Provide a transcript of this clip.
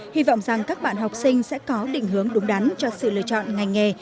hy vọng rằng các bạn học sinh sẽ có định hướng đúng đắn cho sự lựa chọn ngành nghề